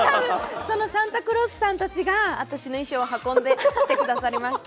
そのサンタクロースさんたちが私の衣装を運んできてくださいました。